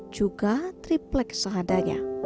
juga triplek sehadanya